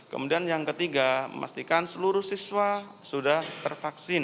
kemudian yang ketiga memastikan seluruh siswa sudah tervaksin